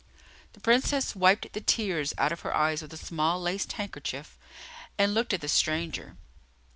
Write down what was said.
The Princess wiped the tears out of her eyes with a small lace handkerchief, and looked at the stranger.